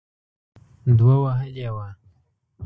دوه وهلې وه.